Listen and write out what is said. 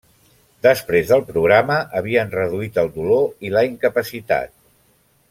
Després del programa, havien reduït el dolor i la incapacitat.